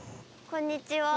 こんにちは。